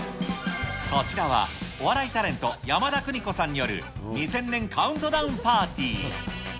こちらは、お笑いタレント、山田邦子さんによる、２０００年カウントダウンパーティー。